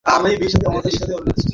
জ্বর খুব বেশি না।